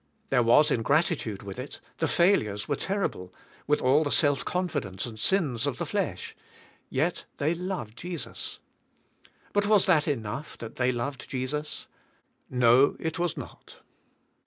There was ingratitude with it; the failures were terrible, with all the self confidence and sins of the flesh; yet they loved Jesus. But was that enough, that they loved Jesus? No, it was not.